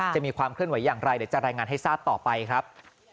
มีความเคลื่อนไหวอย่างไรเดี๋ยวจะรายงานให้ทราบต่อไปครับ